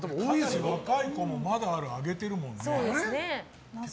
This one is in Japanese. かなり若い子もまだある上げてるもんね。